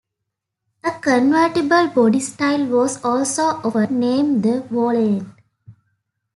A convertible body style was also offered, named the Volante.